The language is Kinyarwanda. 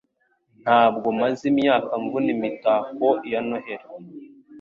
Ntabwo maze imyaka mvuna imitako ya Noheri.